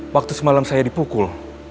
waktu semalam saya dipukul